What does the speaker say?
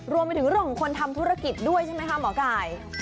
รวมไปถึงเรื่องของคนทำธุรกิจด้วยใช่ไหมคะหมอไก่